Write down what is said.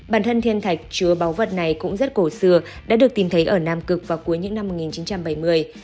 bản thân thiên thạch chứa báu vật này cũng rất cổ xưa đã được tìm thấy ở nam cực vào cuối những năm một nghìn chín trăm bảy mươi